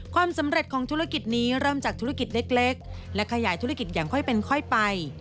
ความสำเร็จของธุรกิจนี้เริ่มจากธุรกิจเล็กและขยายธุรกิจอย่างค่อยเป็นค่อยไป